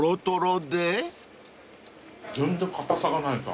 全然硬さがないです